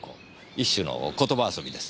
一種の言葉遊びです。